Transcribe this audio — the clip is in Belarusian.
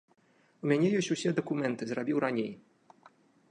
У мяне ёсць усе дакументы, зрабіў раней.